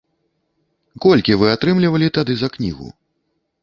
Колькі вы атрымлівалі тады за кнігу?